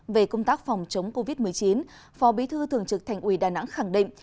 về công tác phòng chống covid một mươi chín phó bí thư thường trực thành ủy đà nẵng khẳng định